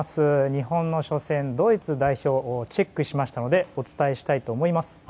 日本の初戦、ドイツ代表をチェックしましたのでお伝えしたいと思います。